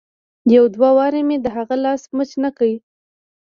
يو دوه وارې مې د هغه لاس مچ نه کړ.